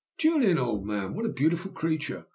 Julian, old man, what a beautiful creature!